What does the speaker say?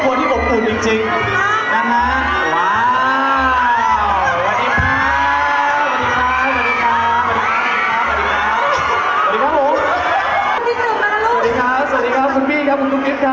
แล้วคุณไม่ได้มาก็สามารถมากันทั้งครอบครัวเลยคุณแม่